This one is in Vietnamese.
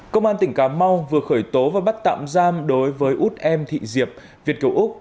công an tỉnh cà mau vừa khởi tố và bắt tạm giam đối với út em thị diệp việt kiều úc